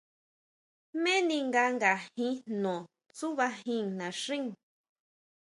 ¿Jméni nga ngajin jno tsuʼbajín naxín?